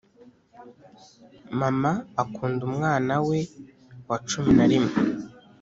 Maman akunda umwana we wa cumi na rimwe